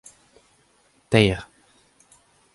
teir.